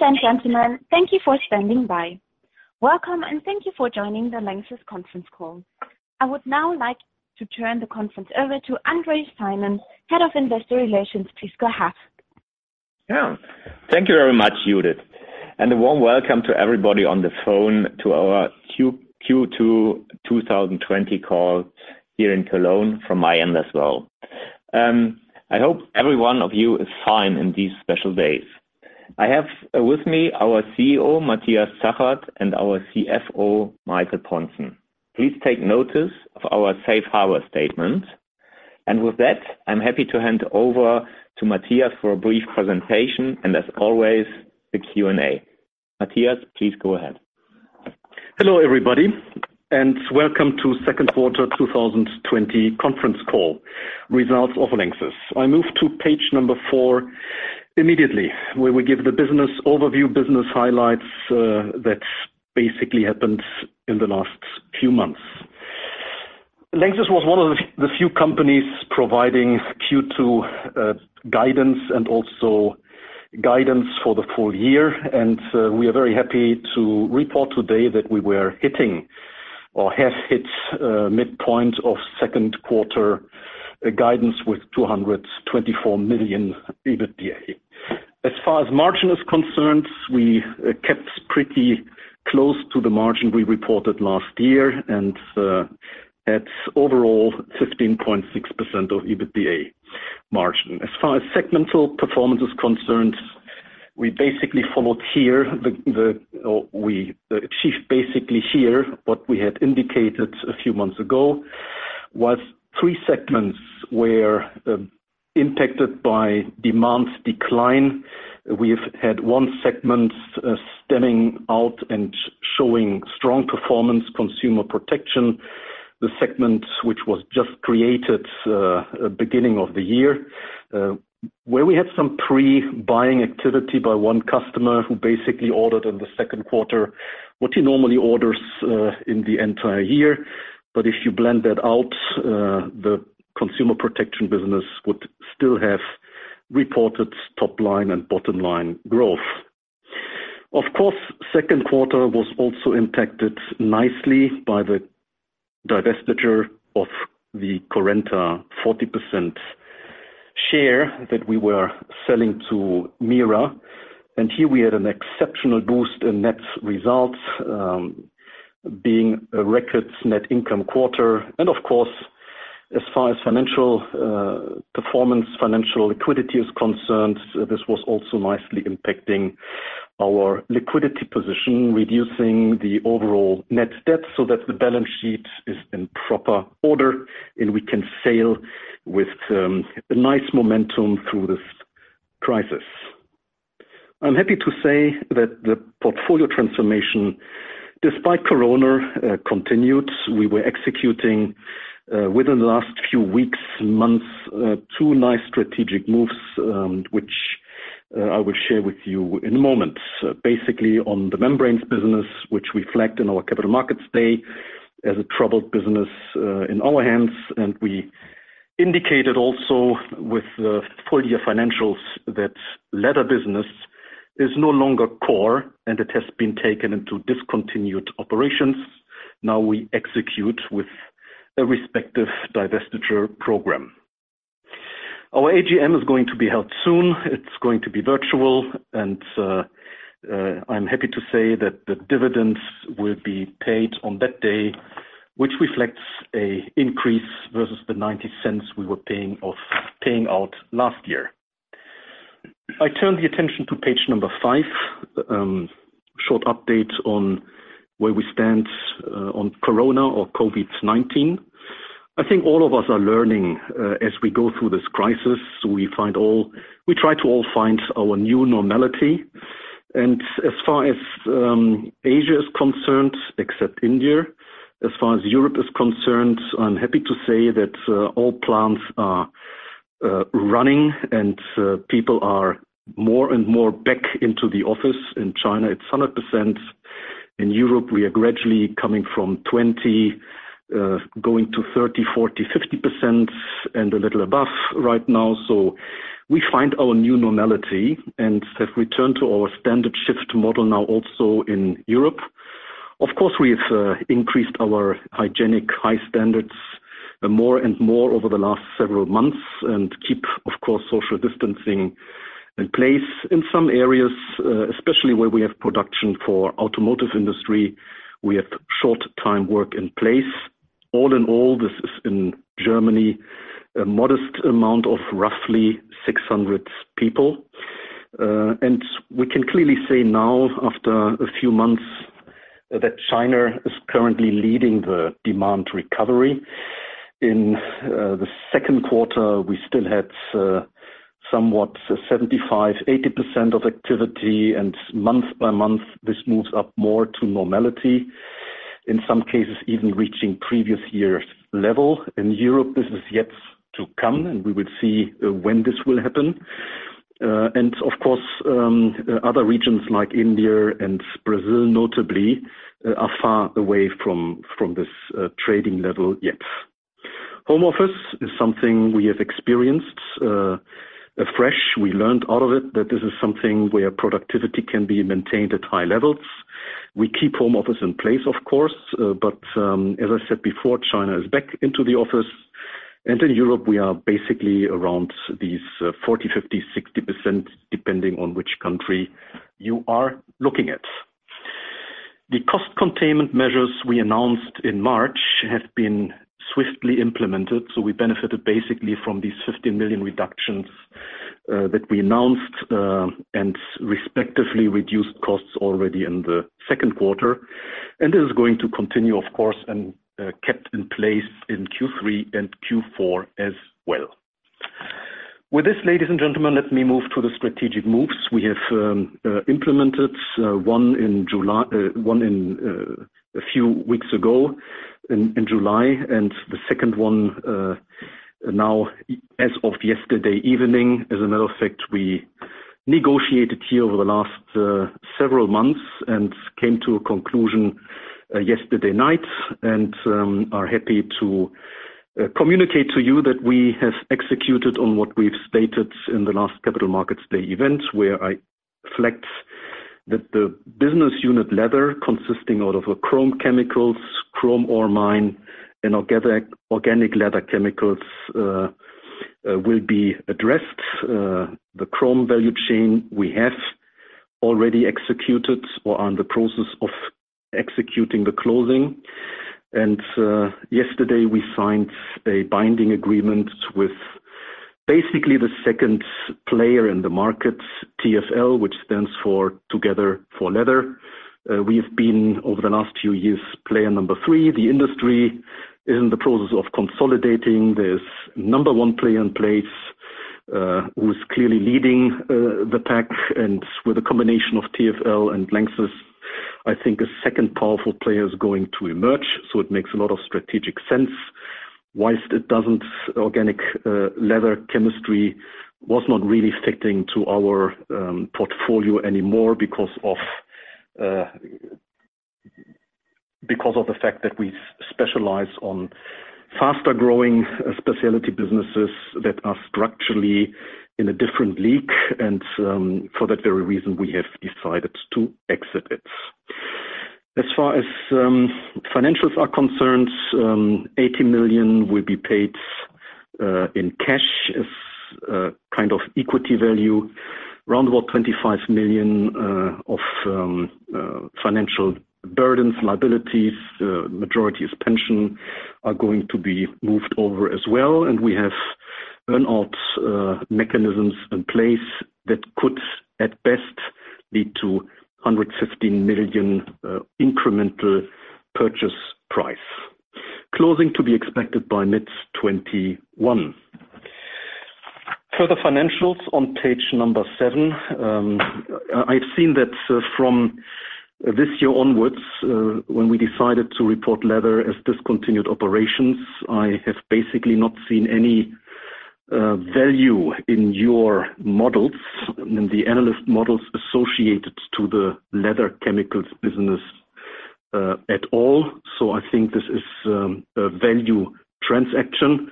Ladies and gentlemen, thank you for standing by. Welcome, and thank you for joining the Lanxess conference call. I would now like to turn the conference over to André Simon, Head of Investor Relations. Please go ahead. Yeah. Thank you very much, Judith, and a warm welcome to everybody on the phone to our Q2 2020 call here in Cologne from my end as well. I hope every one of you is fine in these special days. I have with me our CEO, Matthias Zachert, and our CFO, Michael Pontzen. Please take notice of our safe harbor statement. With that, I'm happy to hand over to Matthias for a brief presentation and as always, the Q&A. Matthias, please go ahead. Hello, everybody, and welcome to second quarter 2020 conference call results of Lanxess. I move to page number four immediately, where we give the business overview, business highlights, that's basically happened in the last few months. Lanxess was one of the few companies providing Q2 guidance and also guidance for the full year. We are very happy to report today that we were hitting or have hit midpoint of second quarter guidance with 224 million EBITDA. As far as margin is concerned, we kept pretty close to the margin we reported last year. That's overall 15.6% of EBITDA margin. As far as segmental performance is concerned, we achieved basically here what we had indicated a few months ago, was three segments were impacted by demand decline. We've had one segment stemming out and showing strong performance, Consumer Protection, the segment which was just created beginning of the year. We had some pre-buying activity by one customer who basically ordered in the second quarter what he normally orders in the entire year. If you blend that out, the Consumer Protection business would still have reported top-line and bottom-line growth. Of course, second quarter was also impacted nicely by the divestiture of the Currenta 40% share that we were selling to MIRA. Here we had an exceptional boost in net results, being a record net income quarter. Of course, as far as financial performance, financial liquidity is concerned, this was also nicely impacting our liquidity position, reducing the overall net debt so that the balance sheet is in proper order and we can sail with a nice momentum through this crisis. I'm happy to say that the portfolio transformation, despite Corona, continued. We were executing within the last few weeks, months, two nice strategic moves, which I will share with you in a moment. Basically on the membranes business, which we flagged in our Capital Markets Day as a troubled business in our hands, and we indicated also with the full-year financials that leather business is no longer core, and it has been taken into discontinued operations. Now we execute with a respective divestiture program. Our AGM is going to be held soon. It's going to be virtual and I'm happy to say that the dividends will be paid on that day, which reflects an increase versus the 0.90 we were paying out last year. I turn the attention to page number 5. Short update on where we stand on Corona or COVID-19. I think all of us are learning as we go through this crisis. We try to all find our new normality. As far as Asia is concerned, except India, as far as Europe is concerned, I'm happy to say that all plants are running and people are more and more back into the office. In China, it's 100%. In Europe, we are gradually coming from 20%, going to 30%, 40%, 50% and a little above right now. We find our new normality and have returned to our standard shift model now also in Europe. Of course, we've increased our hygienic high standards more and more over the last several months and keep, of course, social distancing in place. In some areas, especially where we have production for automotive industry, we have short time work in place. All in all, this is in Germany, a modest amount of roughly 600 people. We can clearly say now after a few months that China is currently leading the demand recovery. In the second quarter, we still had somewhat 75%-80% of activity, and month by month, this moves up more to normality, in some cases, even reaching previous years' level. In Europe, this is yet to come, and we will see when this will happen. Of course, other regions like India and Brazil notably, are far away from this trading level yet. Home office is something we have experienced afresh. We learned out of it that this is something where productivity can be maintained at high levels. We keep home office in place, of course. As I said before, China is back into the office. In Europe, we are basically around these 40%, 50%, 60%, depending on which country you are looking at. The cost containment measures we announced in March have been swiftly implemented. We benefited basically from these 50 million reductions that we announced, and respectively reduced costs already in the second quarter. This is going to continue, of course, and kept in place in Q3 and Q4 as well. With this, ladies and gentlemen, let me move to the strategic moves we have implemented, one a few weeks ago in July and the second one now as of yesterday evening. As a matter of fact, we negotiated here over the last several months and came to a conclusion yesterday night and are happy to communicate to you that we have executed on what we've stated in the last Capital Markets Day event, where I reflect that the business unit leather, consisting out of a chrome chemicals, chrome ore mine, and Organic Leather Chemicals, will be addressed. The chrome value chain we have already executed or are in the process of executing the closing. Yesterday, we signed a binding agreement with basically the second player in the market, TFL, which stands for Together for Leather. We've been, over the last few years, player number three. The industry is in the process of consolidating. There's number one player in place, who's clearly leading the pack. With a combination of TFL and Lanxess, I think a second powerful player is going to emerge. It makes a lot of strategic sense, whilst Organic Leather Chemicals was not really fitting to our portfolio anymore because of the fact that we specialize on faster-growing specialty businesses that are structurally in a different league. For that very reason, we have decided to exit it. As far as financials are concerned, 80 million will be paid in cash as a kind of equity value. Around about 25 million of financial burdens, liabilities, majority is pension, are going to be moved over as well. We have earn-out mechanisms in place that could at best lead to 115 million incremental purchase price. Closing to be expected by mid 2021. Further financials on page number seven. I've seen that from this year onwards, when we decided to report leather as discontinued operations, I have basically not seen any value in your models, in the analyst models associated to the leather chemicals business at all. I think this is a value transaction.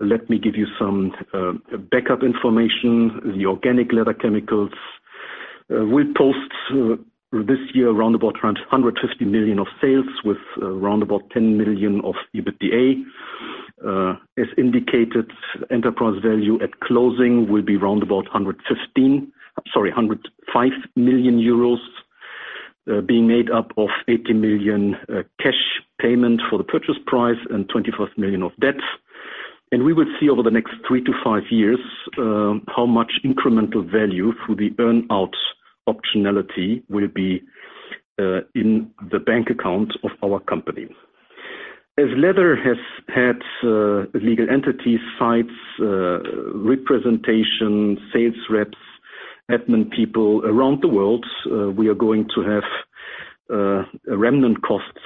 Let me give you some backup information. The Organic Leather Chemicals will post this year around about 150 million of sales with around about 10 million of EBITDA. As indicated, enterprise value at closing will be around about 105 million euros, being made up of 80 million cash payment for the purchase price and 25 million of debt. We will see over the next three to five years how much incremental value through the earn-out optionality will be in the bank account of our company. As leather has had legal entities, sites, representation, sales reps, admin people around the world, we are going to have remnant costs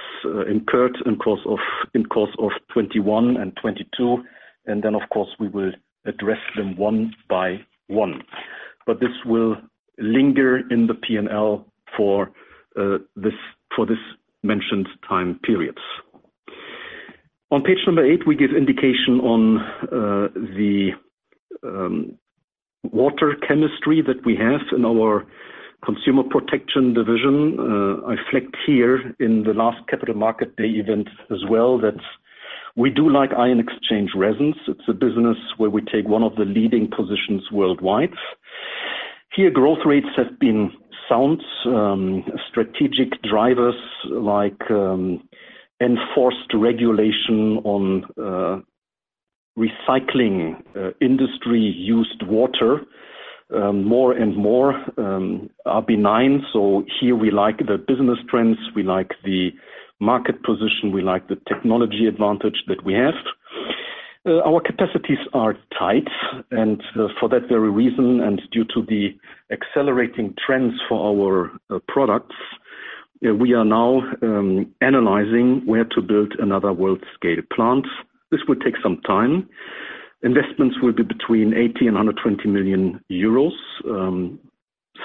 incurred in course of 2021 and 2022. Then, of course, we will address them one by one. This will linger in the P&L for this mentioned time periods. On page number eight, we give indication on the water chemistry that we have in our Consumer Protection division. I reflect here in the last Capital Markets Day event as well that we do like ion exchange resins. It's a business where we take one of the leading positions worldwide. Here, growth rates have been sound. Strategic drivers like enforced regulation on recycling industry-used water more and more are benign. Here we like the business trends, we like the market position, we like the technology advantage that we have. Our capacities are tight, and for that very reason and due to the accelerating trends for our products, we are now analyzing where to build another world-scale plant. This will take some time. Investments will be between 80 million and 120 million euros,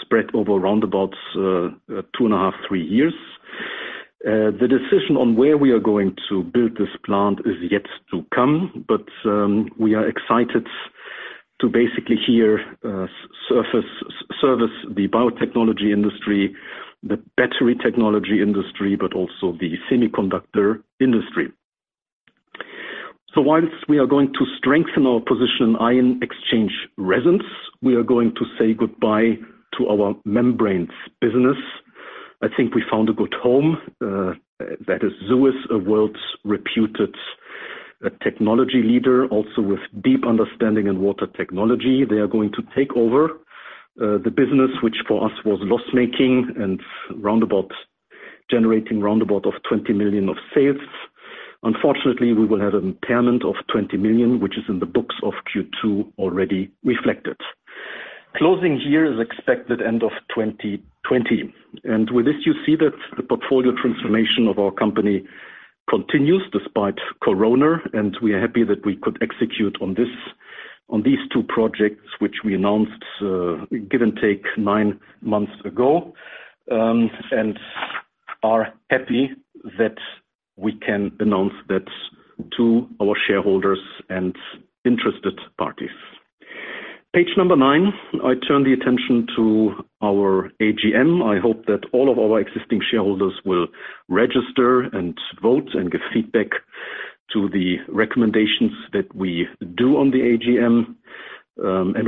spread over around about 2.5, three years. The decision on where we are going to build this plant is yet to come, but we are excited to basically here service the biotechnology industry, the battery technology industry, but also the semiconductor industry. Whilst we are going to strengthen our position in ion exchange resins, we are going to say goodbye to our membranes business. I think we found a good home, that is Suez, a world's reputed technology leader, also with deep understanding in water technology. They are going to take over the business, which for us was loss-making and generating roundabout 20 million of sales. Unfortunately, we will have an impairment of 20 million, which is in the books of Q2 already reflected. Closing here is expected end of 2020. With this, you see that the portfolio transformation of our company continues despite Corona, and we are happy that we could execute on these two projects, which we announced, give and take, nine months ago, and are happy that we can announce that to our shareholders and interested parties. Page number nine, I turn the attention to our AGM. I hope that all of our existing shareholders will register and vote and give feedback to the recommendations that we do on the AGM.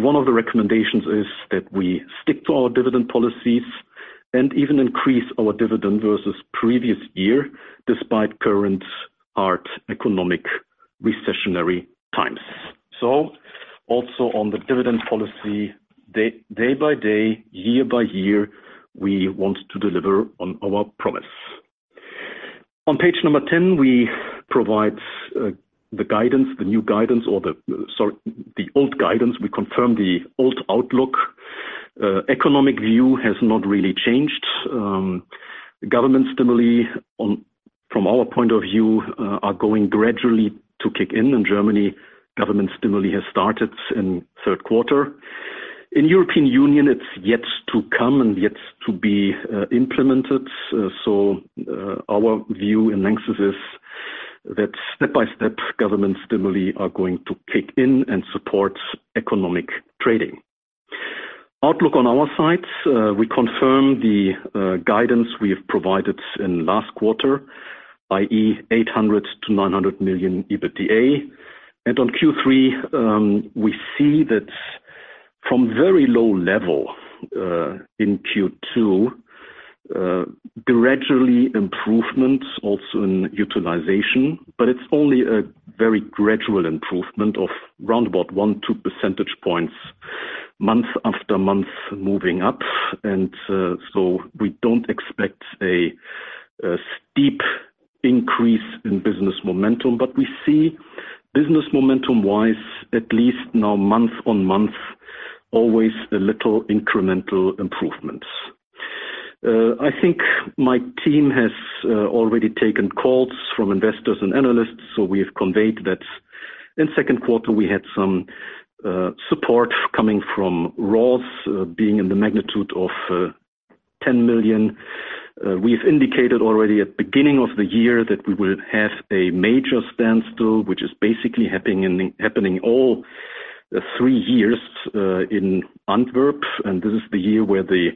One of the recommendations is that we stick to our dividend policies and even increase our dividend versus the previous year, despite current hard economic recessionary times. Also on the dividend policy, day by day, year by year, we want to deliver on our promise. On page number 10, we provide the old guidance. We confirm the old outlook. Economic view has not really changed. Government stimuli from our point of view, are going gradually to kick in. In Germany, government stimuli has started in the third quarter. In the European Union, it's yet to come and yet to be implemented. Our view in Lanxess is that step by step, government stimuli are going to kick in and support economic trading. Outlook on our sides, we confirm the guidance we have provided in the last quarter, i.e., 800 million to 900 million EBITDA. On Q3, we see that from a very low level in Q2, gradually improvement also in utilization, but it's only a very gradual improvement of roundabout one, 2 percentage points month after month moving up. We don't expect a steep increase in business momentum, but we see business momentum-wise, at least now month on month, always a little incremental improvements. I think my team has already taken calls from investors and analysts, so we have conveyed that in the second quarter, we had some support coming from raws being in the magnitude of 10 million. We've indicated already at the beginning of the year that we will have a major standstill, which is basically happening all three years in Antwerp, and this is the year where the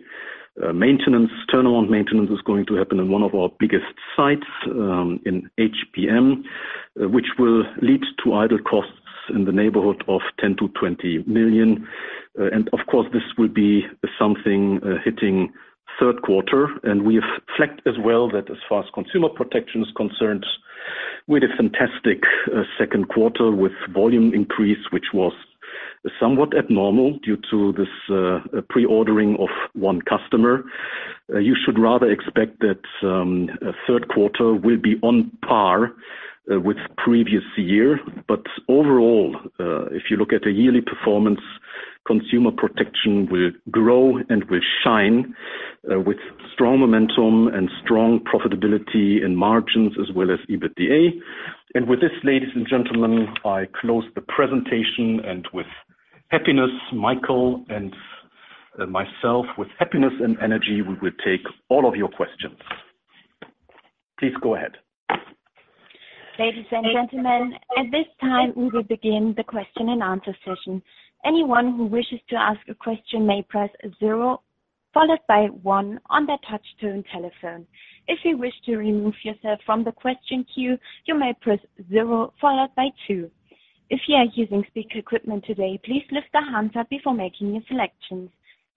turnaround maintenance is going to happen in one of our biggest sites in HPM, which will lead to idle costs in the neighborhood of 10 million to 20 million. Of course, this will be something hitting the third quarter. We have flagged as well that as far as Consumer Protection is concerned, we had a fantastic second quarter with volume increase, which was somewhat abnormal due to this pre-ordering of one customer. You should rather expect that third quarter will be on par with the previous year. Overall, if you look at the yearly performance, Consumer Protection will grow and will shine with strong momentum and strong profitability and margins, as well as EBITDA. With this, ladies and gentlemen, I close the presentation and with happiness, Michael and myself, with happiness and energy, we will take all of your questions. Please go ahead. Ladies and gentlemen, at this time, we will begin the question and answer session. Anyone who wishes to ask a question may press zero followed by one on their touch-tone telephone. If you wish to remove yourself from the question queue, you may press zero followed by two. If you are using speaker equipment today, please lift the handset before making your selections.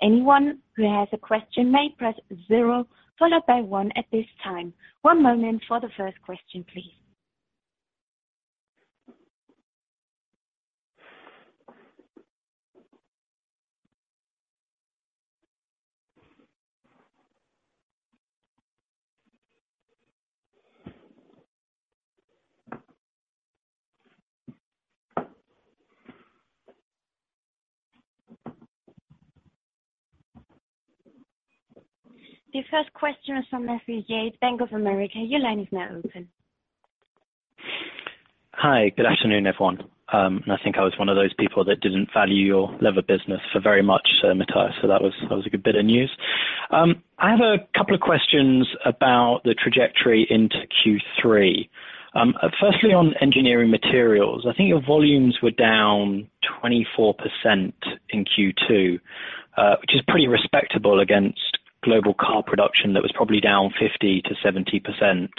Anyone who has a question may press zero followed by one at this time. One moment for the first question, please. The first question is from Matthew Yates, Bank of America. Your line is now open Hi. Good afternoon, everyone. I think I was one of those people that didn't value your leather business for very much, Matthias, so that was a good bit of news. I have a couple of questions about the trajectory into Q3. Firstly, on engineering materials, I think your volumes were down 24% in Q2, which is pretty respectable against global car production that was probably down 50%-70%.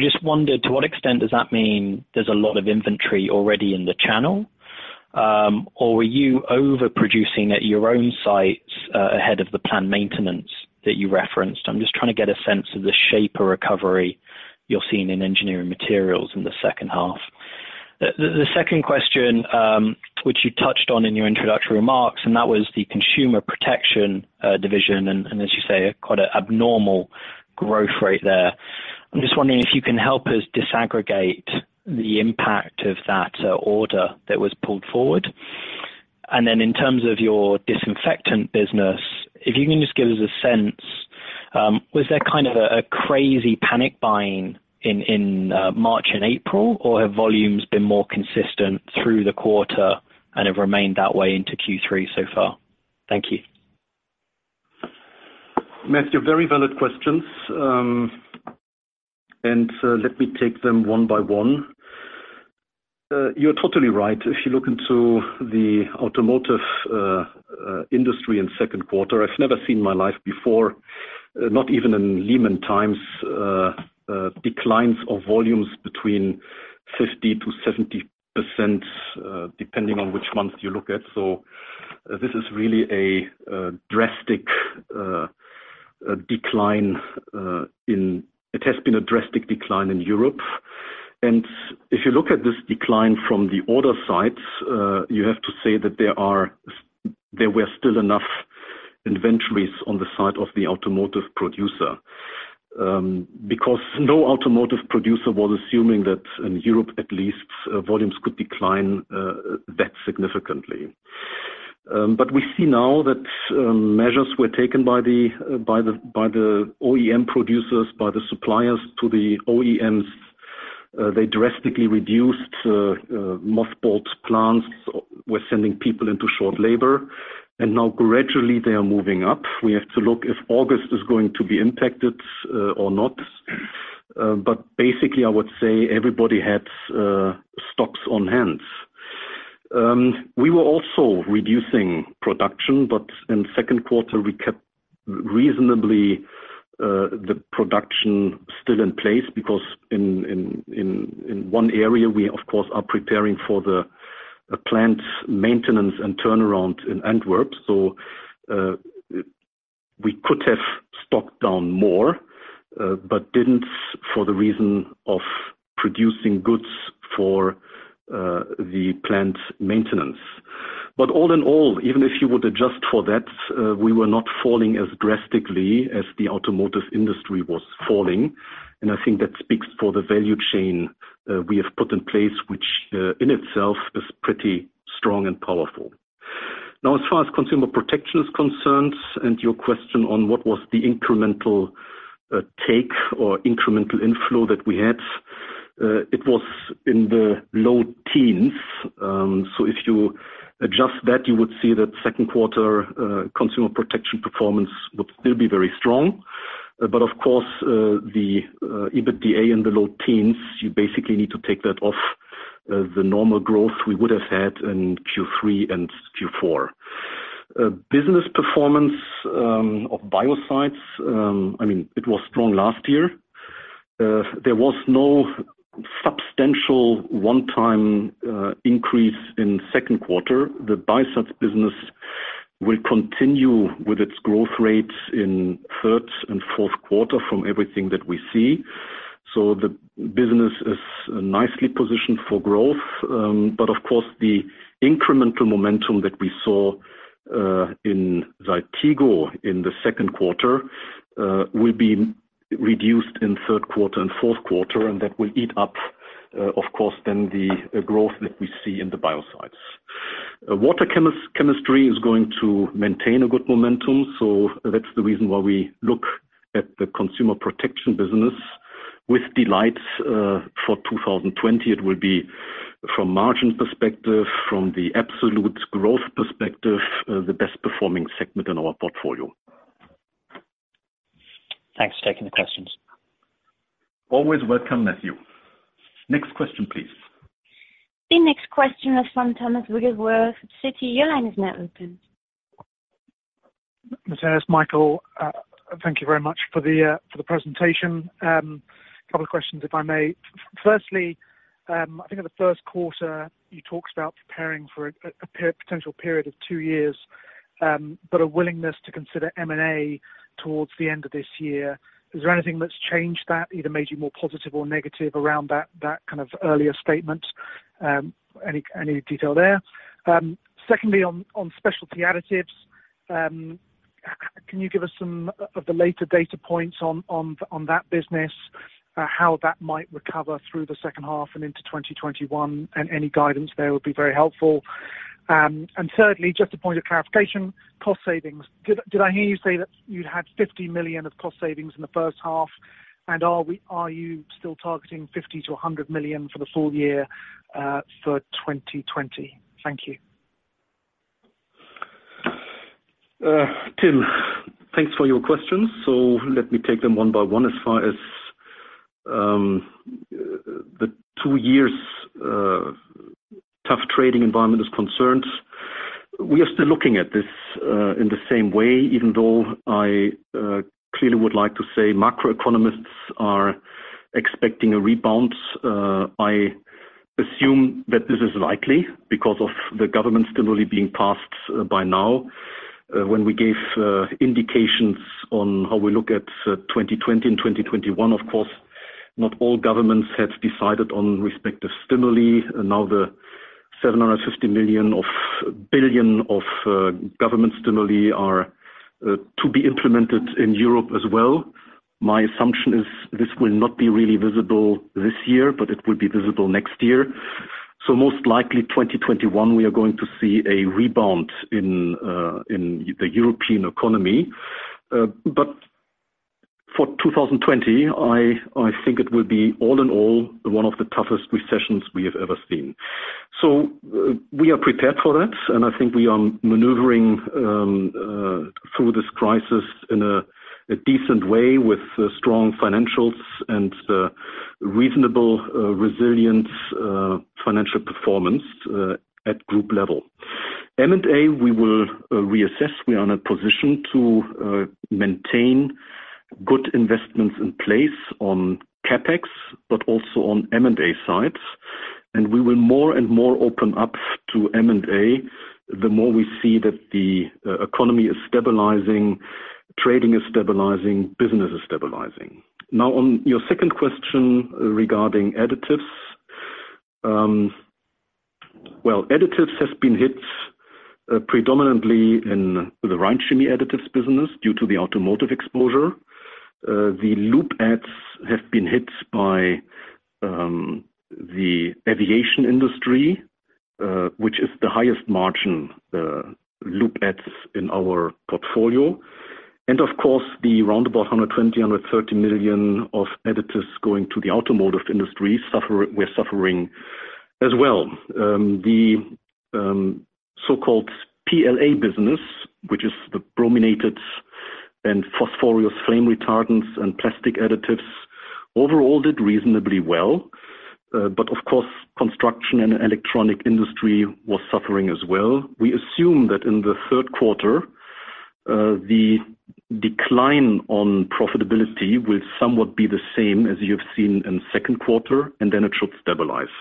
Just wondered, to what extent does that mean there's a lot of inventory already in the channel? Were you overproducing at your own sites ahead of the planned maintenance that you referenced? I'm just trying to get a sense of the shape of recovery you're seeing in engineering materials in the second half. The second question, which you touched on in your introductory remarks, that was the Consumer Protection, as you say, quite an abnormal growth rate there. I am just wondering if you can help us disaggregate the impact of that order that was pulled forward. Then in terms of your disinfectant business, if you can just give us a sense, was there kind of a crazy panic buying in March and April, or have volumes been more consistent through the quarter and have remained that way into Q3 so far? Thank you. Matthew, very valid questions. Let me take them one by one. You're totally right. If you look into the automotive industry in second quarter, I've never seen in my life before, not even in Lehman times, declines of volumes between 50%-70% depending on which month you look at. This is really a drastic decline. It has been a drastic decline in Europe. If you look at this decline from the order side, you have to say that there were still enough inventories on the side of the automotive producer. Because no automotive producer was assuming that in Europe, at least, volumes could decline that significantly. We see now that measures were taken by the OEM producers, by the suppliers to the OEMs. They drastically reduced mothballed plants. We're sending people into short labor. Now gradually they are moving up. We have to look if August is going to be impacted or not. Basically, I would say everybody had stocks on hand. We were also reducing production, in second quarter, we kept reasonably the production still in place because in one area, we of course, are preparing for the plant maintenance and turnaround in Antwerp. We could have stocked down more, but didn't for the reason of producing goods for the plant maintenance. All in all, even if you would adjust for that, we were not falling as drastically as the automotive industry was falling. I think that speaks for the value chain we have put in place, which in itself is pretty strong and powerful. As far as Consumer Protection is concerned and your question on what was the incremental take or incremental inflow that we had, it was in the low teens. If you adjust that, you would see that second quarter Consumer Protection performance would still be very strong. Of course, the EBITDA in the low teens, you basically need to take that off the normal growth we would have had in Q3 and Q4. Business performance of Biocides. It was strong last year. There was no substantial one-time increase in second quarter. The Biocides business will continue with its growth rates in third and fourth quarter from everything that we see. The business is nicely positioned for growth. Of course, the incremental momentum that we saw in Saltigo in the second quarter will be reduced in third quarter and fourth quarter, and that will eat up, of course, then the growth that we see in the Biocides. Water chemistry is going to maintain a good momentum, that's the reason why we look at the Consumer Protection business with delight for 2020. It will be from margin perspective, from the absolute growth perspective, the best performing segment in our portfolio. Thanks for taking the questions. Always welcome, Matthew. Next question, please. The next question is from Thomas Wrigglesworth, Citi. Your line is now open. Matthias, Michael, thank you very much for the presentation. Couple of questions, if I may. Firstly, I think in the first quarter, you talked about preparing for a potential period of two years, but a willingness to consider M&A towards the end of this year. Is there anything that's changed that either made you more positive or negative around that kind of earlier statement? Any detail there? Secondly, on Specialty Additives, can you give us some of the later data points on that business, how that might recover through the second half and into 2021, and any guidance there would be very helpful. Thirdly, just a point of clarification, cost savings. Did I hear you say that you'd had 50 million of cost savings in the first half? Are you still targeting 50 million-100 million for the full year, for 2020? Thank you. Tom, thanks for your questions. Let me take them one by one. As far as the two years tough trading environment is concerned, we are still looking at this in the same way, even though I clearly would like to say macroeconomists are expecting a rebound. I assume that this is likely because of the government stimuli being passed by now. When we gave indications on how we look at 2020 and 2021, of course, not all governments had decided on respective stimuli. The 750 billion of government stimuli are to be implemented in Europe as well. My assumption is this will not be really visible this year, but it will be visible next year. Most likely 2021, we are going to see a rebound in the European economy. For 2020, I think it will be all in all, one of the toughest recessions we have ever seen. We are prepared for that, and I think we are maneuvering through this crisis in a decent way with strong financials and reasonable, resilient financial performance at group level. M&A, we will reassess. We are in a position to maintain good investments in place on CapEx, but also on M&A sides. We will more and more open up to M&A the more we see that the economy is stabilizing, trading is stabilizing, business is stabilizing. Now on your second question regarding Specialty Additives. Well, Specialty Additives has been hit predominantly in the Rhein Chemie additive business due to the automotive exposure. The lube adds have been hit by the aviation industry, which is the highest margin lube adds in our portfolio. Of course, the roundabout 120 million, 130 million of additives going to the automotive industry, we're suffering as well. The so-called PLA business, which is the brominated and phosphorus flame retardants and plastic additives, overall did reasonably well. Of course, construction and electronic industry was suffering as well. We assume that in the third quarter, the decline on profitability will somewhat be the same as you've seen in second quarter. Then it should stabilize.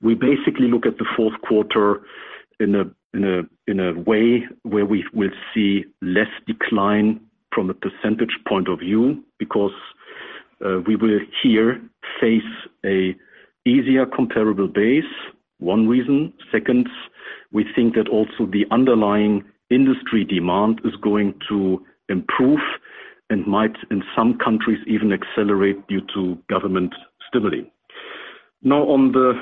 We basically look at the fourth quarter in a way where we will see less decline from a percentage point of view because, we will here face a easier comparable base, one reason. Second, we think that also the underlying industry demand is going to improve and might, in some countries, even accelerate due to government stimuli. Now on the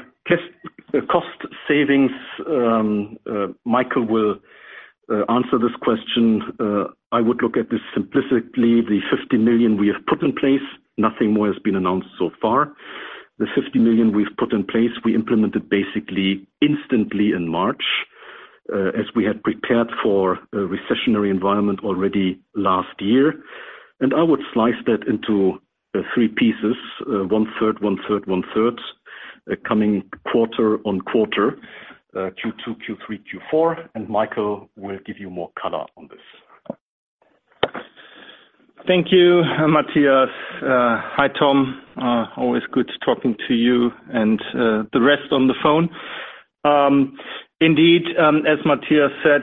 cost savings, Michael will answer this question. I would look at this simplistically, the 50 million we have put in place, nothing more has been announced so far. The 50 million we've put in place, we implemented basically instantly in March, as we had prepared for a recessionary environment already last year. I would slice that into three pieces, one third, one third, one third, coming quarter-on-quarter, Q2, Q3, Q4, and Michael will give you more color on this. Thank you, Matthias. Hi, Tom. Always good talking to you and the rest on the phone. Indeed, as Matthias said,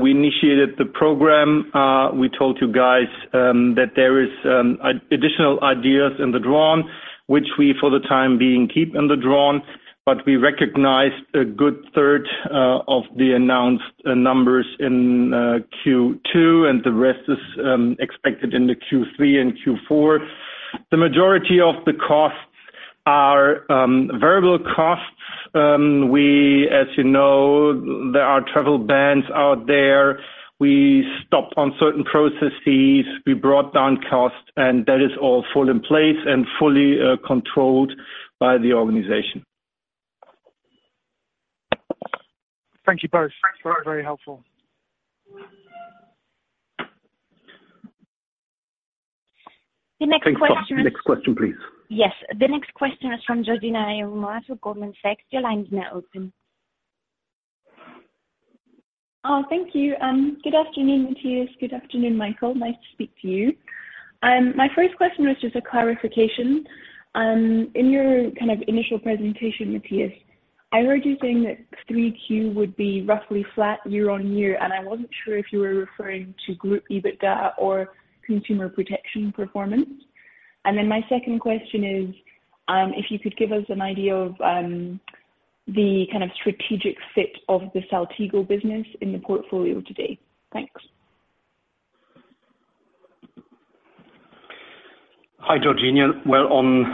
we initiated the program. We told you guys that there is additional ideas in the drawing, which we, for the time being, keep in the drawing, but we recognized a good third of the announced numbers in Q2, and the rest is expected in the Q3 and Q4. The majority of the costs are variable costs. As you know, there are travel bans out there. We stopped on certain processes. We brought down costs, and that is all full in place and fully controlled by the organization. Thank you both. That was very helpful. The next question- Thanks, Tom. Next question, please. Yes. The next question is from Georgina with Goldman Sachs. Your line is now open. Thank you. Good afternoon, Matthias. Good afternoon, Michael. Nice to speak to you. My first question was just a clarification. In your kind of initial presentation, Matthias, I heard you saying that 3Q would be roughly flat year-on-year, and I wasn't sure if you were referring to group EBITDA or Consumer Protection performance. Then my second question is, if you could give us an idea of the kind of strategic fit of the Saltigo business in the portfolio today. Thanks. Hi, Georgina. Well, on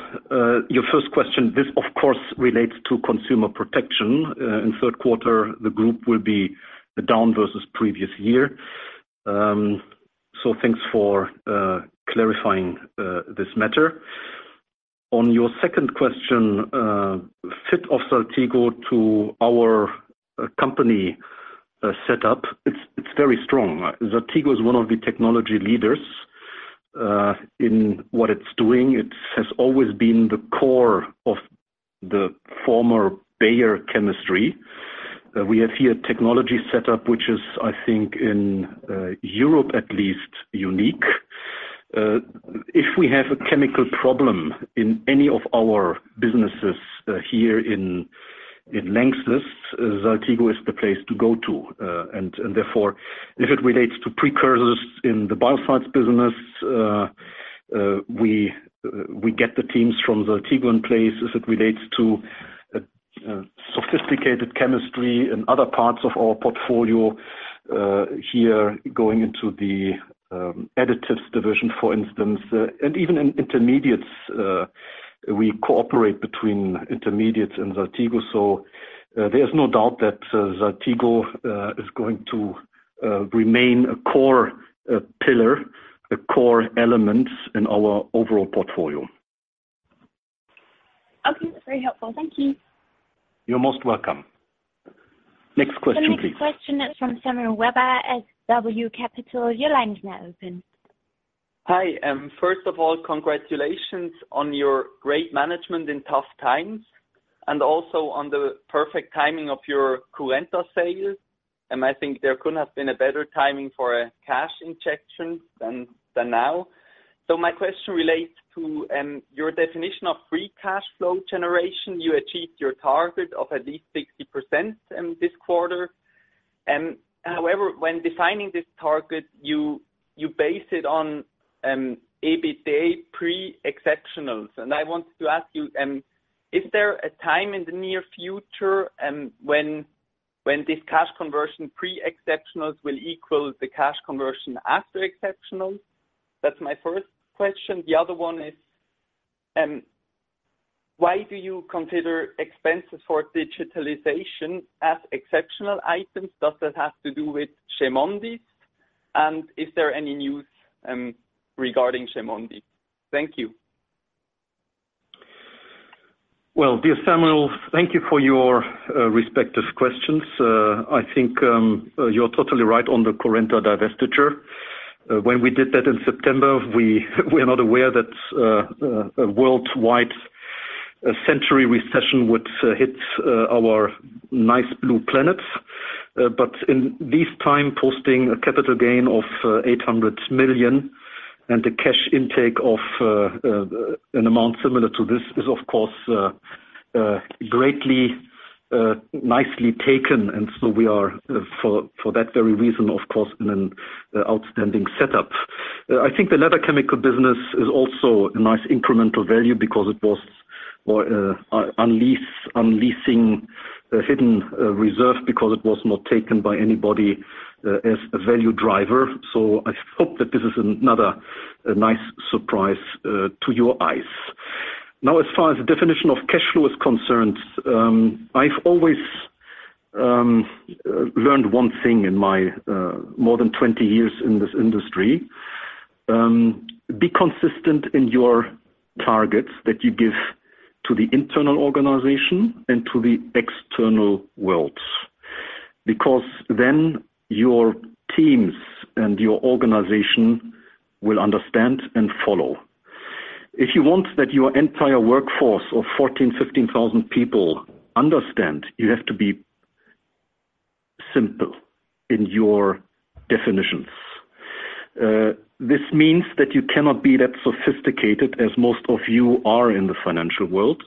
your first question, this of course relates to Consumer Protection. In third quarter, the group will be down versus previous year. Thanks for clarifying this matter. On your second question, fit of Saltigo to our company setup, it's very strong. Saltigo is one of the technology leaders in what it's doing. It has always been the core of the former Bayer chemistry. We have here a technology setup, which is, I think, in Europe, at least, unique. If we have a chemical problem in any of our businesses here in Lanxess, Saltigo is the place to go to. Therefore, if it relates to precursors in the Biocides business, we get the teams from Saltigo in place as it relates to sophisticated chemistry in other parts of our portfolio, here going into the additives division, for instance, and even in intermediates. We cooperate between Intermediates and Saltigo. There is no doubt that Saltigo is going to remain a core pillar, a core element in our overall portfolio. Okay. Very helpful. Thank you. You're most welcome. Next question, please. The next question is from Samuel Weber at W Capital. Your line is now open. Hi. First of all, congratulations on your great management in tough times, and also on the perfect timing of your Currenta sales. I think there couldn't have been a better timing for a cash injection than now. My question relates to your definition of free cash flow generation. You achieved your target of at least 60% in this quarter. However, when defining this target, you base it on EBITDA pre-exceptionals. I wanted to ask you, is there a time in the near future when this cash conversion pre-exceptionals will equal the cash conversion after exceptionals? That's my first question. The other one is, why do you consider expenses for digitalization as exceptional items? Does that have to do with Chemondis? Is there any news regarding Chemondis? Thank you. Well, dear Samuel, thank you for your respective questions. I think you're totally right on the Currenta divestiture. When we did that in September, we were not aware that a worldwide century recession would hit our nice blue planet. In this time, posting a capital gain of 800 million and a cash intake of an amount similar to this is, of course, greatly nicely taken. We are, for that very reason, of course, in an outstanding setup. I think the leather chemical business is also a nice incremental value because it was unleashing a hidden reserve, because it was not taken by anybody as a value driver. I hope that this is another nice surprise to your eyes. Now, as far as the definition of cash flow is concerned, I've always learned one thing in my more than 20 years in this industry. Be consistent in your targets that you give to the internal organization and to the external world. Your teams and your organization will understand and follow. If you want that your entire workforce of 14,000, 15,000 people understand, you have to be simple in your definitions. This means that you cannot be that sophisticated as most of you are in the financial world.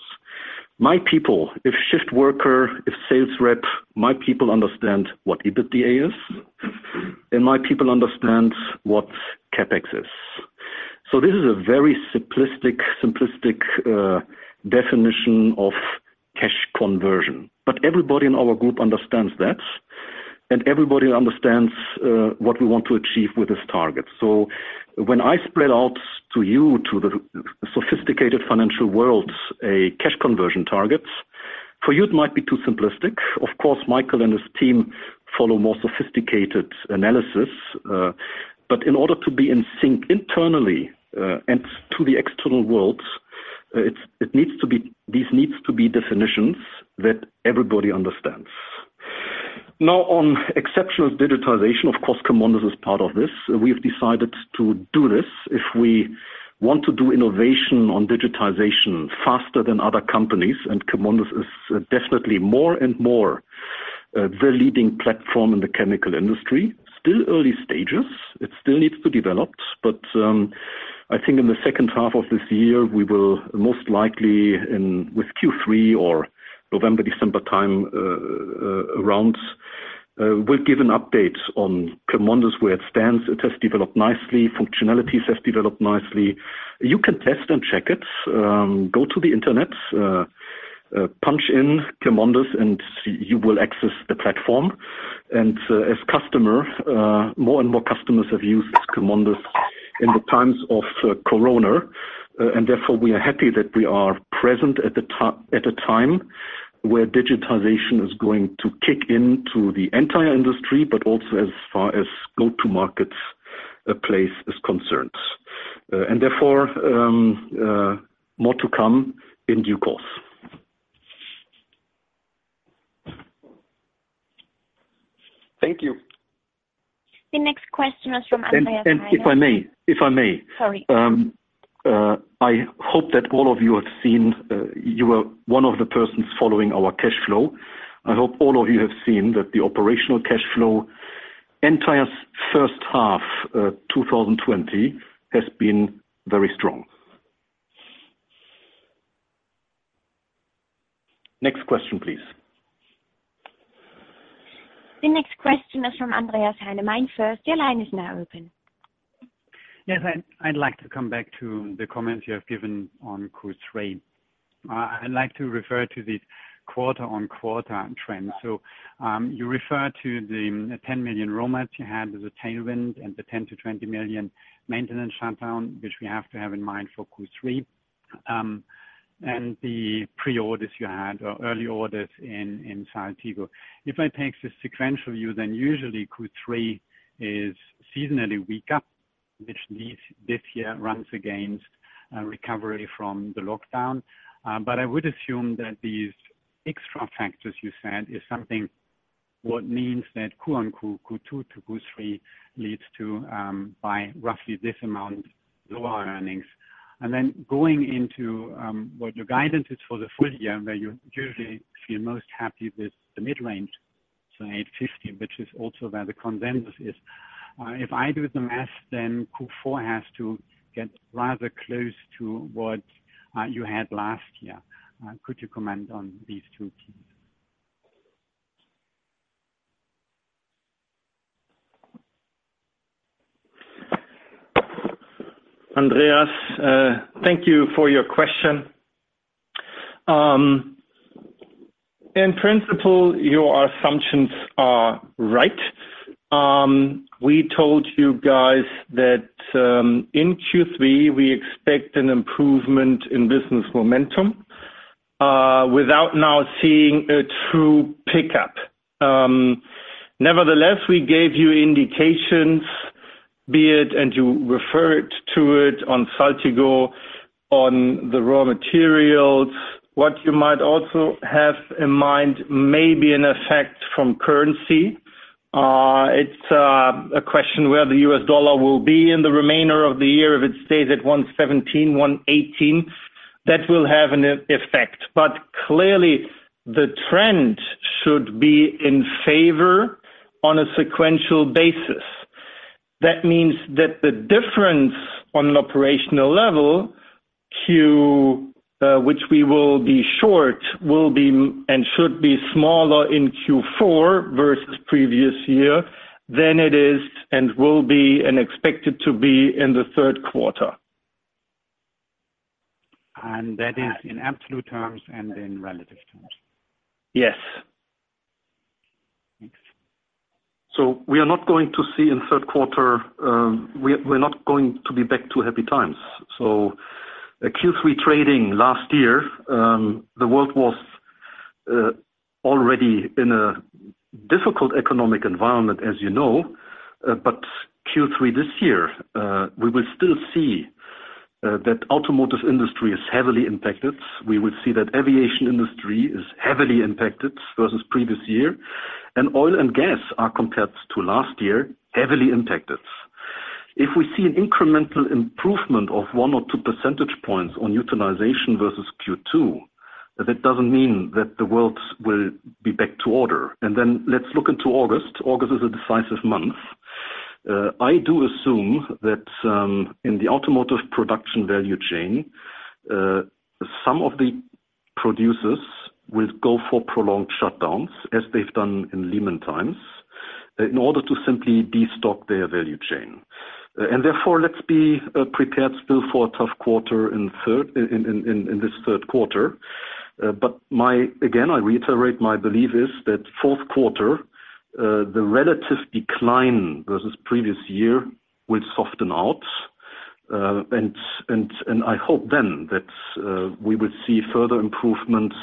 My people, if shift worker, if sales rep, my people understand what EBITDA is, and my people understand what CapEx is. This is a very simplistic definition of cash conversion. Everybody in our group understands that, and everybody understands what we want to achieve with this target. When I spread out to you, to the sophisticated financial world, a cash conversion target, for you, it might be too simplistic. Of course, Michael and his team follow more sophisticated analysis. In order to be in sync internally and to the external world, these need to be definitions that everybody understands. On exceptional digitalization, of course, Chemondis is part of this. We've decided to do this if we want to do innovation on digitization faster than other companies, and Chemondis is definitely more and more the leading platform in the chemical industry. Still early stages, it still needs to develop, but I think in the second half of this year, we will most likely in with Q3 or November, December time around, we'll give an update on Chemondis, where it stands. It has developed nicely. Functionality has developed nicely. You can test and check it. Go to the internet. Punch in Chemondis and you will access the platform. As customer, more and more customers have used Chemondis in the times of corona. Therefore, we are happy that we are present at a time where digitization is going to kick into the entire industry, but also as far as go-to markets place is concerned. Therefore, more to come in due course. Thank you. The next question is from Andreas. If I may. Sorry. I hope that all of you have seen, you were one of the persons following our cash flow. I hope all of you have seen that the operational cash flow entire first half 2020 has been very strong. Next question, please. The next question is from Andreas Heine, MainFirst. Your line is now open. I'd like to come back to the comments you have given on Q3. I'd like to refer to the quarter-on-quarter trend. You refer to the 10 million raws you had as a tailwind and the 10 million-20 million maintenance shutdown, which we have to have in mind for Q3, and the pre-orders you had or early orders in Saltigo. If I take the sequential view, then usually Q3 is seasonally weaker, which this year runs against a recovery from the lockdown. I would assume that these extra factors you said is something what means that Q on Q, Q2 to Q3 leads to, by roughly this amount, lower earnings. Going into what your guidance is for the full year, where you usually feel most happy with the mid-range, 850 million, which is also where the consensus is. If I do the math, then Q4 has to get rather close to what you had last year. Could you comment on these two keys? Andreas, thank you for your question. In principle, your assumptions are right. We told you guys that in Q3, we expect an improvement in business momentum, without now seeing a true pickup. Nevertheless, we gave you indications, be it, and you referred to it on Saltigo, on the raw materials. What you might also have in mind may be an effect from currency. It's a question where the US dollar will be in the remainder of the year. If it stays at 117, 118, that will have an effect. Clearly the trend should be in favor on a sequential basis. That means that the difference on an operational level, Q, which we will be short, will be and should be smaller in Q4 versus previous year than it is and will be and expected to be in the third quarter. That is in absolute terms and in relative terms? Yes. Thanks. We are not going to see in third quarter, we're not going to be back to happy times. Q3 trading last year, the world was already in a difficult economic environment, as you know. Q3 this year, we will still see that automotive industry is heavily impacted. We will see that aviation industry is heavily impacted versus previous year, and oil and gas are compared to last year, heavily impacted. If we see an incremental improvement of 1 or 2 percentage points on utilization versus Q2, that doesn't mean that the world will be back to order. Let's look into August. August is a decisive month. I do assume that in the automotive production value chain, some of the producers will go for prolonged shutdowns, as they've done in Lehman times, in order to simply destock their value chain. Therefore, let's be prepared still for a tough quarter in this third quarter. Again, I reiterate, my belief is that fourth quarter, the relative decline versus previous year will soften out. I hope then that we will see further improvements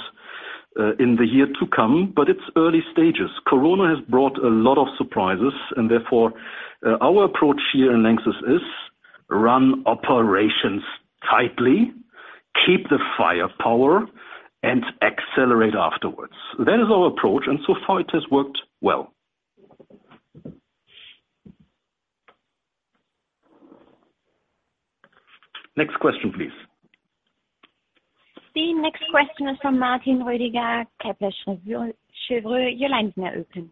in the year to come, but it's early stages. Corona has brought a lot of surprises, therefore, our approach here in Lanxess is run operations tightly, keep the firepower, and accelerate afterwards. That is our approach, so far it has worked well. Next question, please. The next question is from Martin Roediger, Kepler Cheuvreux. Your line is now open.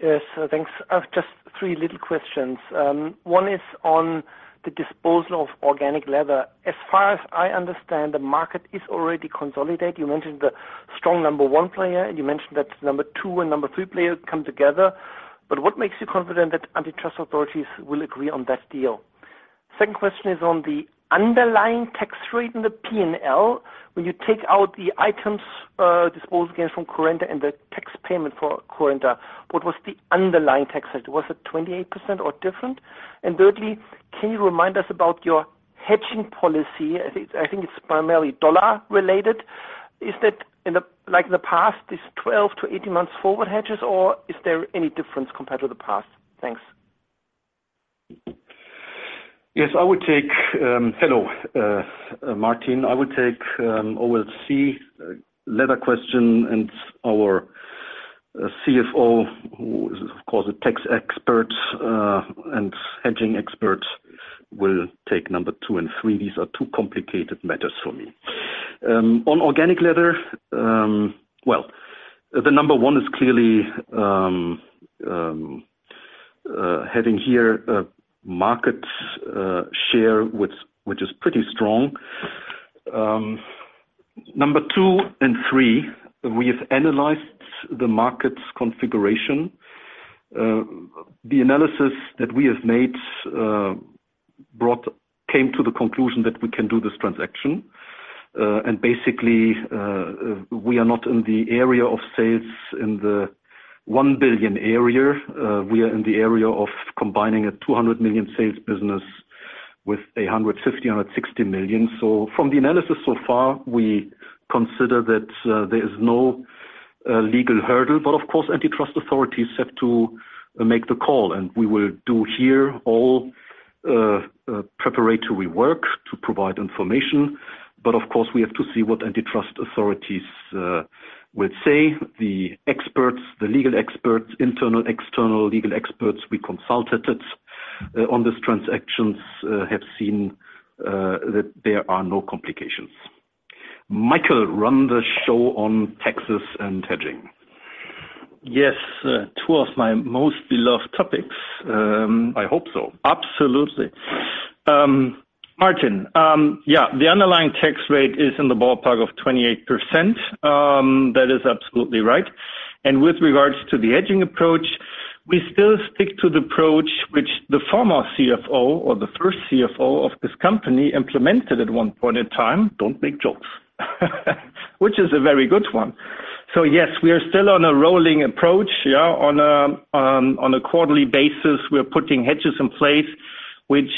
Yes, thanks. I have just three little questions. One is on the disposal of organic leather. As far as I understand, the market is already consolidated. You mentioned the strong number one player, and you mentioned that number two and number three player come together. What makes you confident that antitrust authorities will agree on that deal? Second question is on the underlying tax rate in the P&L. When you take out the items, disposed gains from Currenta and the tax payment for Currenta, what was the underlying tax rate? Was it 28% or different? Thirdly, can you remind us about your hedging policy? I think it's primarily dollar-related. Is that, like in the past, this 12 to 18 months forward hedges, or is there any difference compared to the past? Thanks. Yes. Hello, Martin. I would take OLC leather question and our CFO, who is, of course, a tax expert and hedging expert, will take number two and three. These are two complicated matters for me. On organic leather, well, the number one is clearly heading here, market share, which is pretty strong. Number two and three, we have analyzed the market's configuration. The analysis that we have made came to the conclusion that we can do this transaction. Basically, we are not in the area of sales in the 1 billion area. We are in the area of combining a 200 million sales business with 150 million, 160 million. From the analysis so far, we consider that there is no legal hurdle, but of course, antitrust authorities have to make the call, we will do here all preparatory work to provide information. Of course, we have to see what antitrust authorities will say. The experts, the legal experts, internal, external legal experts we consulted on these transactions, have seen that there are no complications. Michael, run the show on taxes and hedging. Yes, two of my most beloved topics. I hope so. Absolutely. Martin, yeah, the underlying tax rate is in the ballpark of 28%. That is absolutely right. With regards to the hedging approach, we still stick to the approach which the former CFO or the first CFO of this company implemented at one point in time. Don't make jokes. Which is a very good one. Yes, we are still on a rolling approach, yeah, on a quarterly basis. We're putting hedges in place, which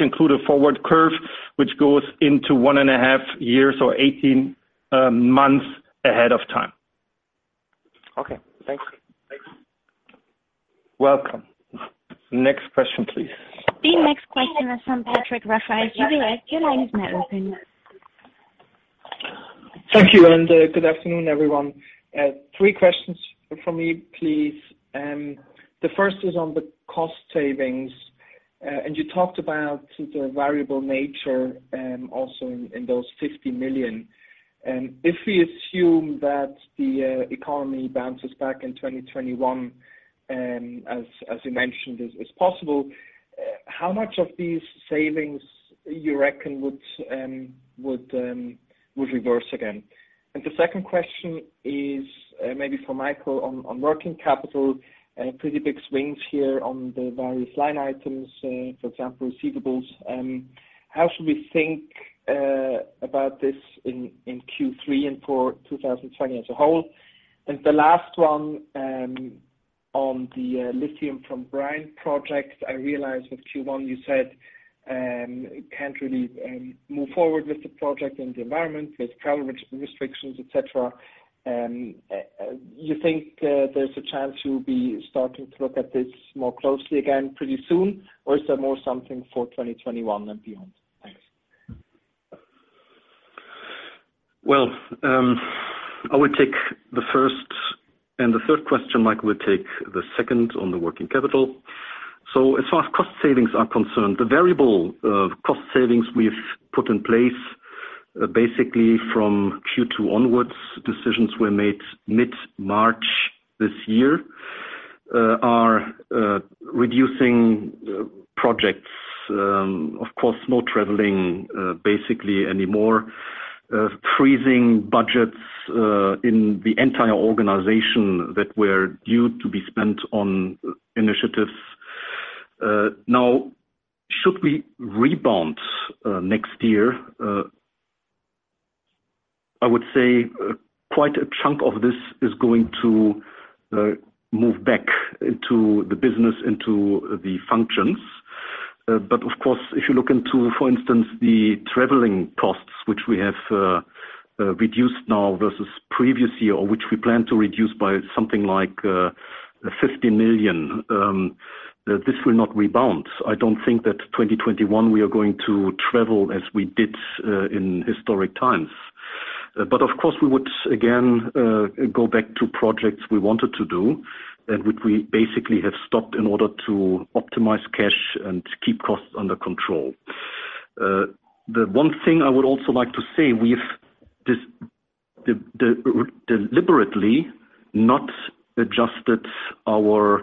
include a forward curve, which goes into one and a half years or 18 months ahead of time. Okay, thanks. Welcome. Next question, please. The next question is from Patrick Rafaisz at UBS. Your line is now open. Thank you. Good afternoon, everyone. Three questions from me, please. The first is on the cost savings. You talked about the variable nature, also in those 50 million. If we assume that the economy bounces back in 2021, as you mentioned is possible, how much of these savings you reckon would reverse again? The second question is maybe for Michael on working capital. Pretty big swings here on the various line items, for example, receivables. How should we think about this in Q3 and for 2020 as a whole? The last one on the lithium from brine projects. I realize with Q1 you said, can't really move forward with the project in the environment. There's travel restrictions, et cetera. You think there's a chance you'll be starting to look at this more closely again pretty soon, or is there more something for 2021 and beyond? Thanks. Well, I will take the first and the third question. Michael will take the second on the working capital. As far as cost savings are concerned, the variable cost savings we've put in place basically from Q2 onwards, decisions were made mid-March this year, are reducing projects. Of course, no traveling basically anymore. Freezing budgets in the entire organization that were due to be spent on initiatives. Should we rebound next year, I would say quite a chunk of this is going to move back into the business, into the functions. Of course, if you look into, for instance, the traveling costs, which we have reduced now versus previous year, or which we plan to reduce by something like 50 million, this will not rebound. I don't think that 2021 we are going to travel as we did in historic times. Of course, we would, again, go back to projects we wanted to do and which we basically have stopped in order to optimize cash and keep costs under control. The one thing I would also like to say, we've deliberately not adjusted our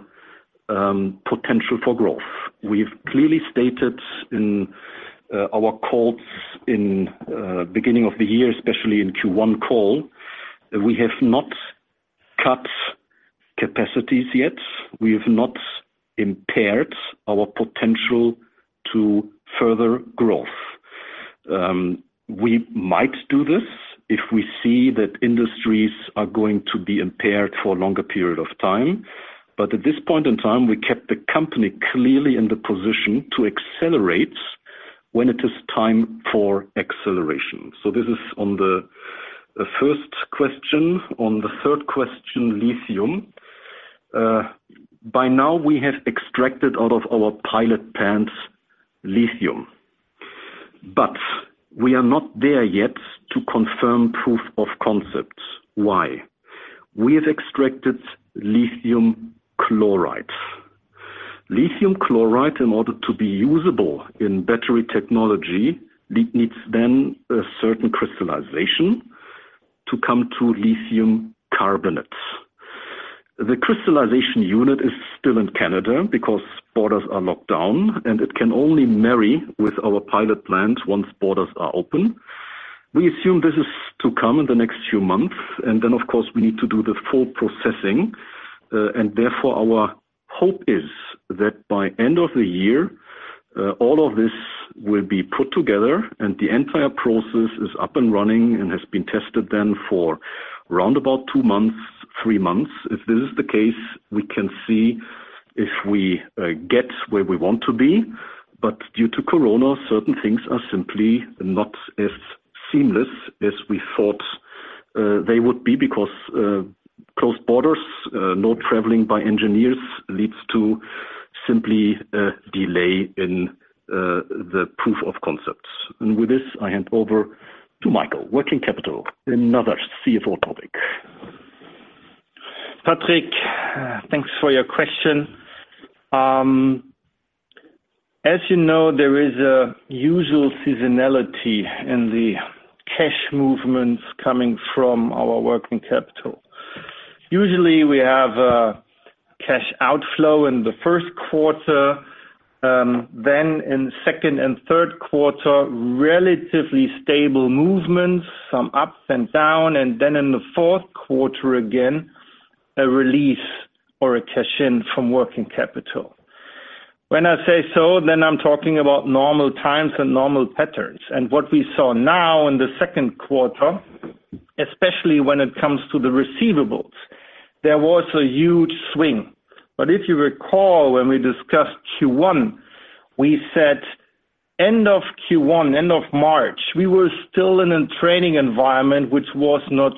potential for growth. We've clearly stated in our calls in beginning of the year, especially in Q1 call, that we have not cut capacities yet. We have not impaired our potential to further growth. We might do this if we see that industries are going to be impaired for a longer period of time. At this point in time, we kept the company clearly in the position to accelerate when it is time for acceleration. This is on the first question. On the third question, lithium. By now, we have extracted out of our pilot plant, lithium. We are not there yet to confirm proof of concept. Why? We have extracted lithium chloride. Lithium chloride, in order to be usable in battery technology, needs then a certain crystallization to come to lithium carbonate. The crystallization unit is still in Canada because borders are locked down, and it can only marry with our pilot plant once borders are open. We assume this is to come in the next few months, then, of course, we need to do the full processing. Therefore, our hope is that by end of the year, all of this will be put together, and the entire process is up and running and has been tested then for roundabout two months, three months. If this is the case, we can see if we get where we want to be. Due to COVID, certain things are simply not as seamless as we thought they would be. Closed borders, no traveling by engineers, leads to simply a delay in the proof of concepts. With this, I hand over to Michael. Working capital, another CFO topic. Patrick, thanks for your question. As you know, there is a usual seasonality in the cash movements coming from our working capital. Usually, we have a cash outflow in the first quarter, then in second and third quarter, relatively stable movements, some ups and down, and then in the fourth quarter, again, a release or a cash-in from working capital. When I say so, then I'm talking about normal times and normal patterns. What we saw now in the second quarter, especially when it comes to the receivables, there was a huge swing. If you recall, when we discussed Q1, we said end of Q1, end of March, we were still in a trading environment which was not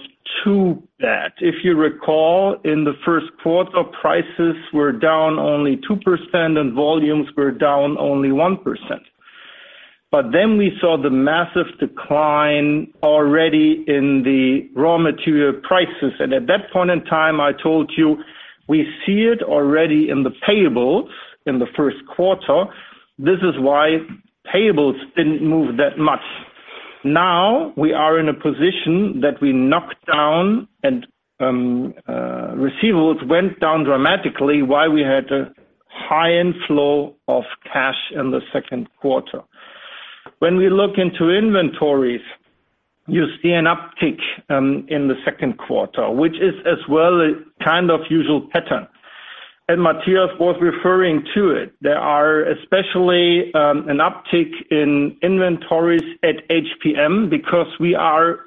too bad. If you recall, in the first quarter, prices were down only 2% and volumes were down only 1%. We saw the massive decline already in the raw material prices. At that point in time, I told you, we see it already in the payables in the first quarter. This is why payables didn't move that much. Now, we are in a position that we knocked down and receivables went down dramatically, why we had a high inflow of cash in the second quarter. When we look into inventories, you see an uptick in the second quarter, which is as well a kind of usual pattern. Matthias was referring to it. There are especially an uptick in inventories at HPM because we are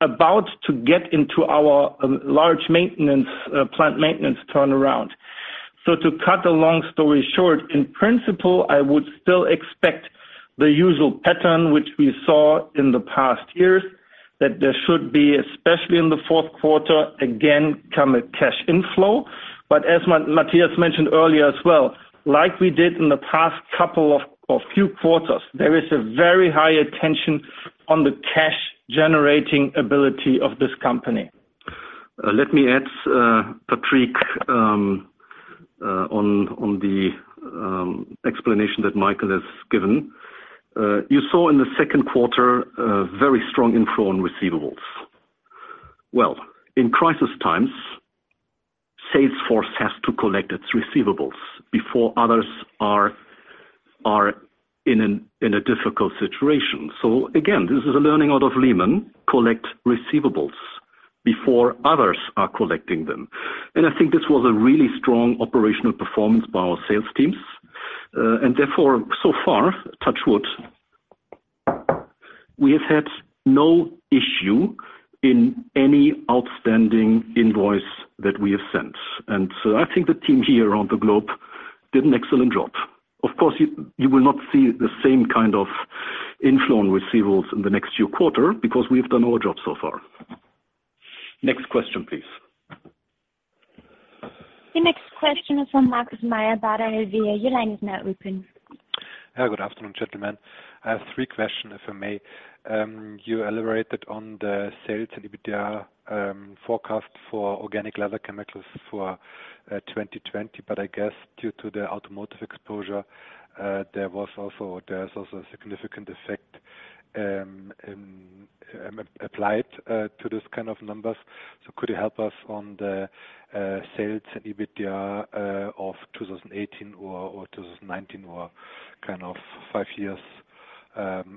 about to get into our large plant maintenance turnaround. To cut a long story short, in principle, I would still expect the usual pattern which we saw in the past years, that there should be, especially in the fourth quarter, again, come a cash inflow. As Matthias mentioned earlier as well, like we did in the past couple of few quarters, there is a very high attention on the cash generating ability of this company. Let me add, Patrick, on the explanation that Michael has given. You saw in the second quarter a very strong inflow on receivables. In crisis times, sales force has to collect its receivables before others are in a difficult situation. Again, this is a learning out of Lehman, collect receivables before others are collecting them. I think this was a really strong operational performance by our sales teams. Therefore, so far, touch wood, we have had no issue in any outstanding invoice that we have sent. I think the team here around the globe did an excellent job. Of course, you will not see the same kind of inflow on receivables in the next few quarter because we have done our job so far. Next question, please. The next question is from Markus Mayer, Baader Helvea. Your line is now open. Good afternoon, gentlemen. I have three question, if I may. You elaborated on the sales and EBITDA forecast for Organic Leather Chemicals for 2020, but I guess due to the automotive exposure, there is also a significant effect applied to this kind of numbers. Could you help us on the sales and EBITDA of 2018 or 2019 or kind of five years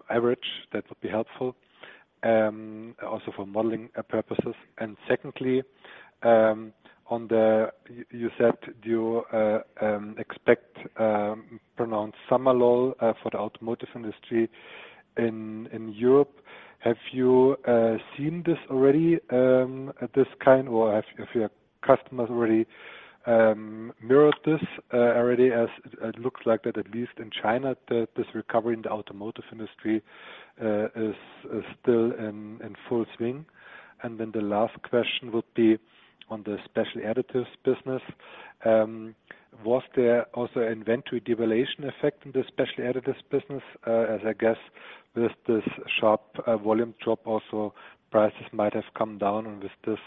average, that would be helpful, also for modeling purposes. Secondly, you said you expect pronounced summer lull for the automotive industry in Europe. Have you seen this already at this kind, or have your customers already mirrored this already as it looks like that at least in China, that this recovery in the automotive industry is still in full swing? Then the last question would be on the Specialty Additives business. Was there also inventory devaluation effect in the Specialty Additives business? As I guess with this sharp volume drop also, prices might have come down. With this,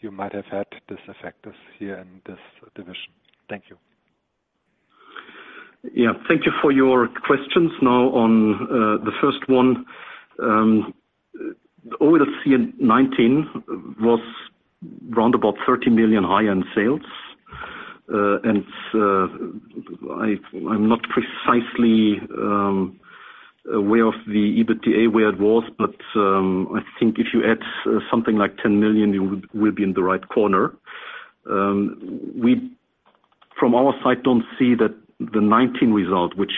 you might have had this effect this year in this division. Thank you. Thank you for your questions. On the first one, OLC in 2019 was around about 30 million high-end sales. I'm not precisely aware of the EBITDA, where it was, but I think if you add something like 10 million, you will be in the right corner. From our side, don't see that the 2019 result, which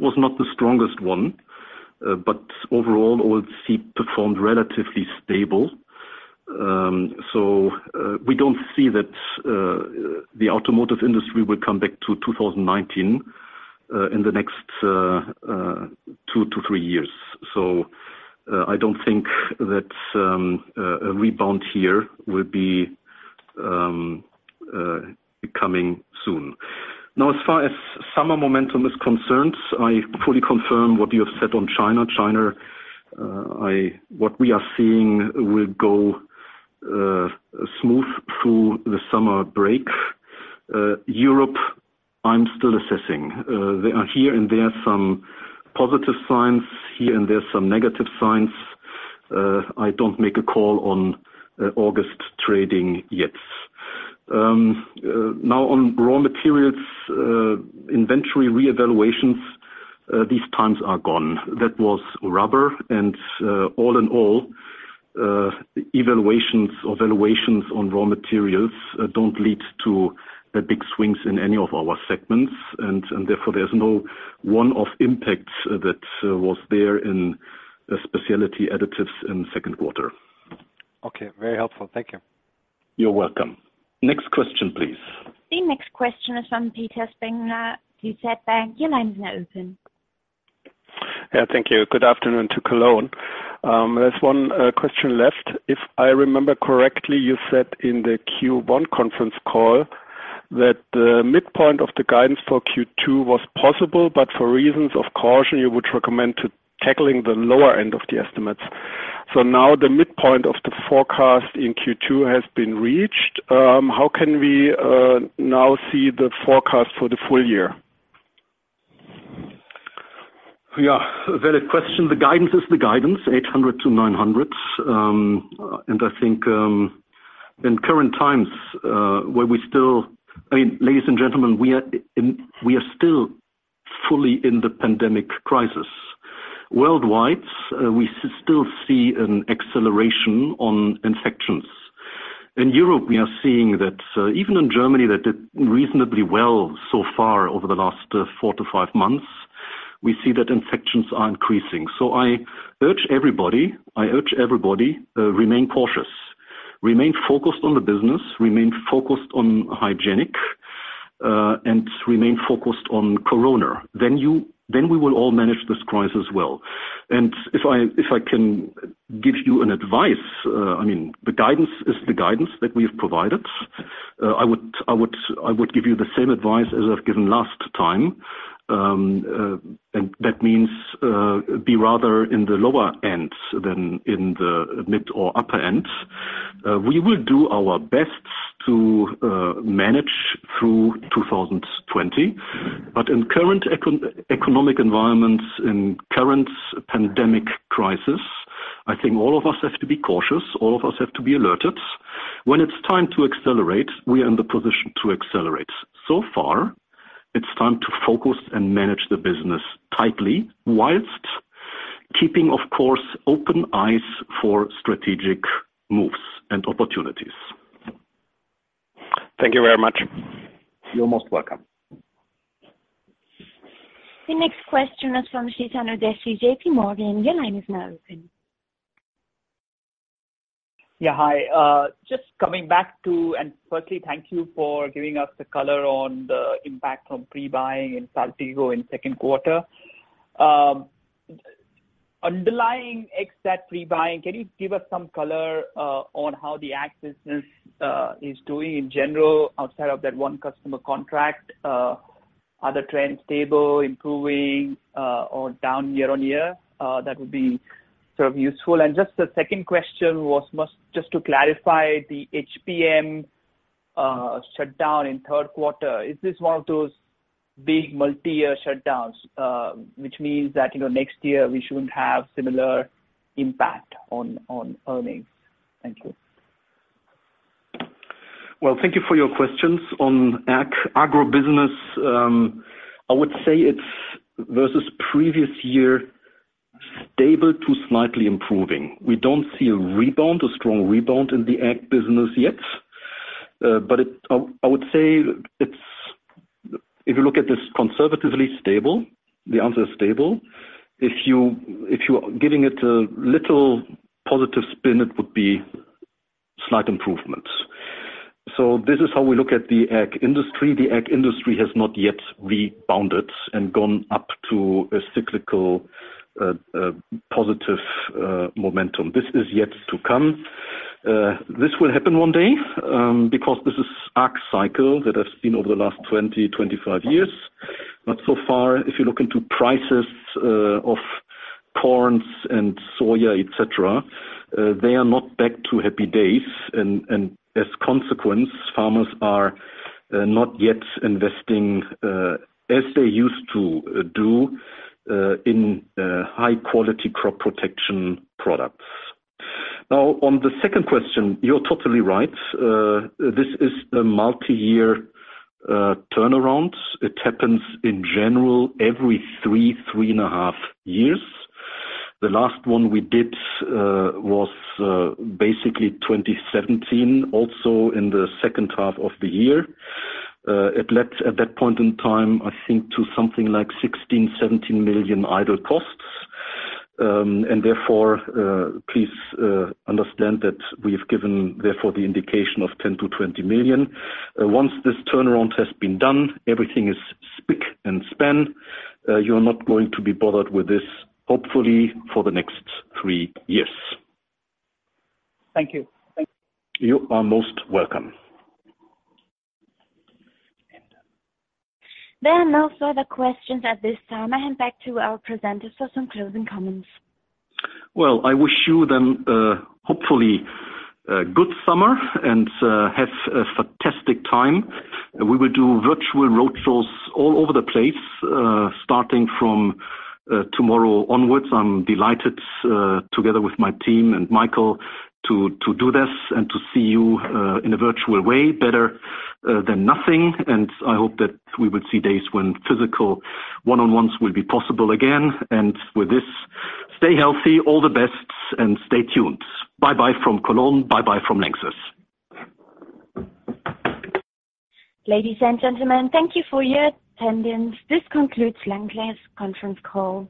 was not the strongest one, but overall OLC performed relatively stable. We don't see that the automotive industry will come back to 2019 in the next two to three years. I don't think that a rebound here will be coming soon. As far as summer momentum is concerned, I fully confirm what you have said on China. China, what we are seeing will go smooth through the summer break. Europe, I'm still assessing. There are here and there some positive signs, here and there some negative signs. I don't make a call on August trading yet. Now on raw materials inventory reevaluations, these times are gone. That was rubber and all in all, evaluations or valuations on raw materials don't lead to big swings in any of our segments, and therefore there's no one-off impacts that was there in Specialty Additives in second quarter. Okay. Very helpful. Thank you. You're welcome. Next question, please. The next question is from Peter Spengler, DZ Bank. Your line is now open. Yeah. Thank you. Good afternoon to Cologne. There is one question left. If I remember correctly, you said in the Q1 conference call that the midpoint of the guidance for Q2 was possible, but for reasons of caution, you would recommend to tackling the lower end of the estimates. Now the midpoint of the forecast in Q2 has been reached. How can we now see the forecast for the full year? Yeah. Valid question. The guidance is the guidance, 800 to 900. I think in current times, ladies and gentlemen, we are still fully in the pandemic crisis. Worldwide, we still see an acceleration on infections. In Europe, we are seeing that even in Germany, that did reasonably well so far over the last four to five months, we see that infections are increasing. I urge everybody remain cautious, remain focused on the business, remain focused on hygienic, and remain focused on Corona. We will all manage this crisis well. If I can give you an advice, the guidance is the guidance that we've provided. I would give you the same advice as I've given last time. That means, be rather in the lower end than in the mid or upper end. We will do our best to manage through 2020. In current economic environments, in current pandemic crisis, I think all of us have to be cautious, all of us have to be alerted. When it's time to accelerate, we are in the position to accelerate. So far, it's time to focus and manage the business tightly while keeping, of course, open eyes for strategic moves and opportunities. Thank you very much. You're most welcome. The next question is from Chetan Udeshi, JPMorgan. Your line is now open. Hi, firstly, thank you for giving us the color on the impact from pre-buying in Saltigo in second quarter. Underlying except pre-buying, can you give us some color on how the ag business is doing in general outside of that one customer contract? Are the trends stable, improving, or down year-on-year? That would be useful. Just the second question was just to clarify the HPM shutdown in third quarter. Is this one of those big multi-year shutdowns? Which means that next year we shouldn't have similar impact on earnings. Thank you. Well, thank you for your questions on ag business. I would say it's, versus previous year, stable to slightly improving. I would say, if you look at this conservatively stable, the answer is stable. If you are giving it a little positive spin, it would be slight improvements. This is how we look at the ag industry. The ag industry has not yet rebounded and gone up to a cyclical positive momentum. This is yet to come. This will happen one day, because this is ag cycle that I've seen over the last 20, 25 years. So far, if you look into prices of corns and soya, et cetera, they are not back to happy days. As consequence, farmers are not yet investing as they used to do in high-quality crop protection products. On the second question, you're totally right. This is a multi-year turnaround. It happens in general every three and a half years. The last one we did was basically 2017, also in the second half of the year. It led, at that point in time, I think, to something like 16 million, 17 million idle costs. Therefore, please understand that we've given the indication of 10 million-20 million. Once this turnaround has been done, everything is spic and span. You're not going to be bothered with this, hopefully, for the next three years. Thank you. You are most welcome. There are no further questions at this time. I hand back to our presenters for some closing comments. Well, I wish you then a hopefully good summer and have a fantastic time. We will do virtual road shows all over the place, starting from tomorrow onwards. I am delighted, together with my team and Michael, to do this and to see you in a virtual way, better than nothing. I hope that we will see days when physical one-on-ones will be possible again. With this, stay healthy, all the best, and stay tuned. Bye-bye from Cologne. Bye-bye from Lanxess. Ladies and gentlemen, thank you for your attendance. This concludes Lanxess conference call.